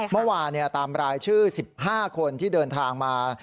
เมื่อวานตามรายชื่อ๑๕คนที่เดินทางมา